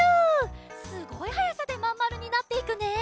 すごいはやさでまんまるになっていくね。